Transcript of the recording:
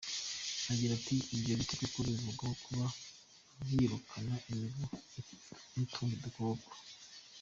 Agira ati “Ibyo biti koko bivugwaho kuba byirukana imibu n’utundi dukoko.